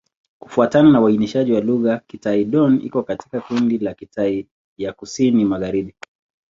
Kufuatana na uainishaji wa lugha, Kitai-Dón iko katika kundi la Kitai ya Kusini-Magharibi.